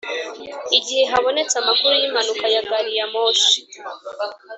igihe habonetse amakuru y’impanuka ya gari ya moshi